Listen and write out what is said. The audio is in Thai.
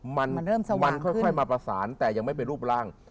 มันเริ่มสว่างขึ้นมันค่อยมาประสานแต่ยังไม่เป็นรูปร่าง